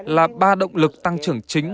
là ba động lực tăng trưởng chính